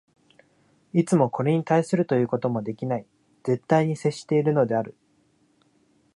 いつもこれに対するということもできない絶対に接しているのである。